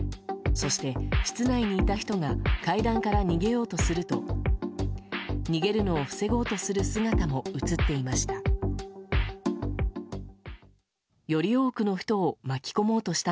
そして、室内にいた人が階段から逃げようとすると逃げるのを防ごうとする姿も映っていました。